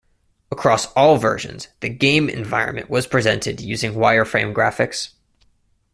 Across all versions, the game environment was presented using wire frame graphics.